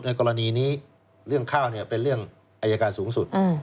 กรณีนี้เรื่องข้าวเป็นเรื่องอายการสูงสุด